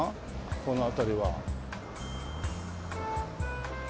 この辺りは。